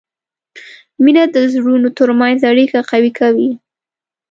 مینه د زړونو ترمنځ اړیکه قوي کوي.